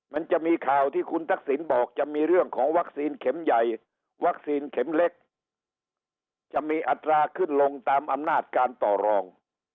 มันจะมีข่าวที่คุณทักษิณบอกจะมีเรื่องของวัคซีนเข็มใหญ่วัคซีนเข็มเล็กจะมีอัตราขึ้นลงตามอำนาจการต่อรอง